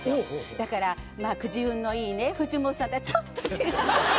だからくじ運のいい藤本さんとはちょっと違う。